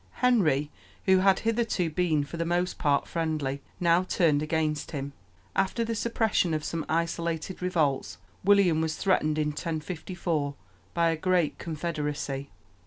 Henry, who had hitherto been for the most part friendly, now turned against him. After the suppression of some isolated revolts, William was threatened in 1054 by a great confederacy.